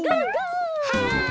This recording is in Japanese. はい！